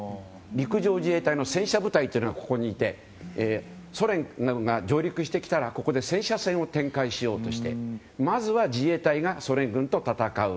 陸上自衛隊の戦車部隊というのがここにいてソ連などが上陸してきたらここで戦車戦を展開しようとしてまずは自衛隊がソ連軍と戦う。